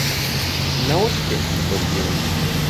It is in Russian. Научите, как вы это делаете?